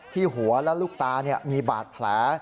ที่หัวและลูกตามีบาดแผล